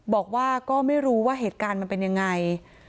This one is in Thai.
บอกว่าก็ไม่รู้ว่าเหตุการณ์มันเป็นยังไง